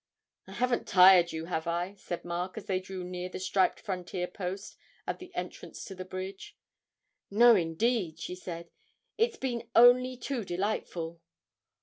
'I haven't tired you, have I?' said Mark, as they drew near the striped frontier post at the entrance to the bridge. 'No, indeed,' she said; 'it has been only too delightful.